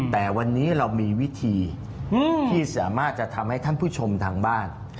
แต่วันนี้เรามีวิธีที่สามารถจะทำให้ท่านผู้ชมทางบ้าน